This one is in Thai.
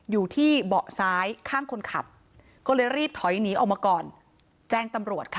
อยู่ที่เบาะซ้ายข้างคนขับก็เลยรีบถอยหนีออกมาก่อนแจ้งตำรวจค่ะ